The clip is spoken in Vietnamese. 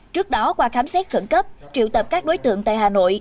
trước đó qua khám xét khẩn cấp triệu tập các đối tượng tại hà nội